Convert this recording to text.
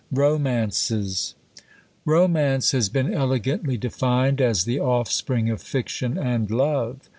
ROMANCES. Romance has been elegantly defined as the offspring of FICTION and LOVE.